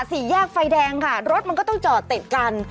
สี่แยกไฟแดงก็ต้องต่อเตะกัน